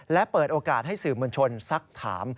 และเปิดโอกาสให้สื่อมวลชนสักถาม